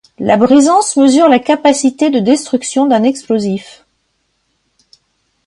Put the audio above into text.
La brisance mesure la capacité de destruction d'un explosif.